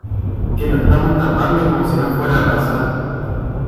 que lo estamos tapando como si no fuera a pasar